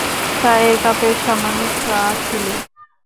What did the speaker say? চায়ের কাপে সামান্য চা ছিল।